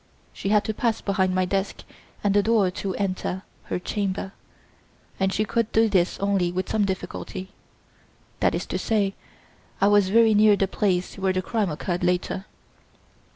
She had to pass behind my desk and the door to enter her chamber, and she could do this only with some difficulty. That is to say, I was very near the place where the crime occurred later."